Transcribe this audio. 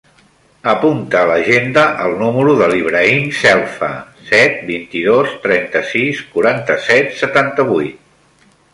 Apunta a l'agenda el número de l'Ibrahim Selfa: set, vint-i-dos, trenta-sis, quaranta-set, setanta-vuit.